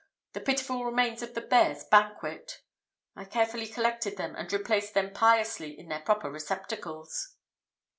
the pitiful remains of the bears' banquet. I carefully collected them, and replaced them piously in their proper receptacles.